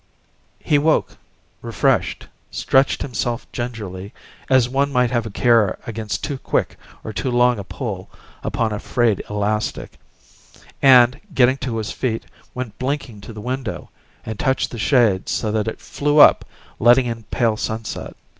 He woke refreshed, stretched himself gingerly as one might have a care against too quick or too long a pull upon a frayed elastic and, getting to his feet, went blinking to the window and touched the shade so that it flew up, letting in a pale sunset.